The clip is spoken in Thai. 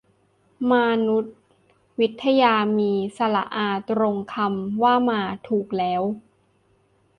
มานุษยวิทยา มีสระอาตรงคำว่ามาถูกแล้ว